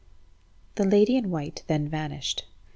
The lady in white then vanished.